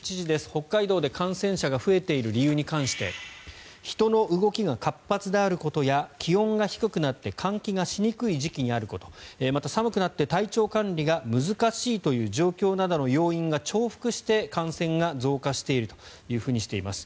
北海道で感染者が増えている理由に関して人の動きが活発であることや気温が低くなって換気がしにくい時期であることまた、寒くなって体調管理が難しい状況などの要因が重複して、感染が増加しているとしています。